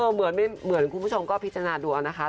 เหมือนคุณผู้ชมก็พิจารณาดูเอานะคะ